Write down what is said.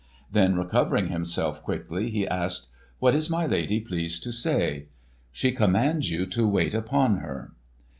Then recovering himself quickly he asked; "What is my lady pleased to say?" "She commands you to wait upon her."